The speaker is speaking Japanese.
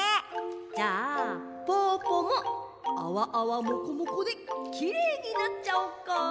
じゃあぽぅぽもあわあわもこもこできれいになっちゃおっか！